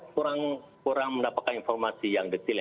kurang mendapatkan informasi yang detail